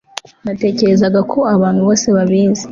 natekerezaga ko abantu bose babizi